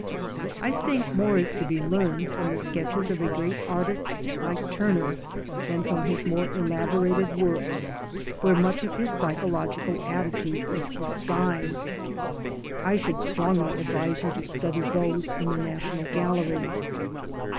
I think more is to be learned from the sketches of a great artist like Turner than from his more elaborated works, where much of his psychological attitude is disguised. I should strongly advise you to study those in the National Gallery.